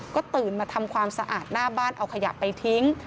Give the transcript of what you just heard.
ก็ตื่นมาทำความสะอาดหน้าบ้านเอาขยะไปทิ้ง